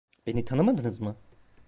Beni tanımadınız mı?